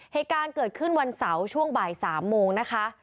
เหตุการณ์เกิดขึ้นวันเสาร์ช่วงบ่าย๓โมงนะคะ